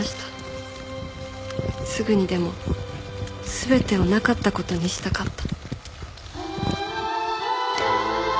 すぐにでも全てをなかった事にしたかった。